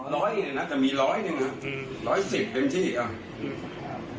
ร้อยน่าจะมีร้อยหนึ่งครับอืมร้อยสิบเป็นที่อ่ะอืม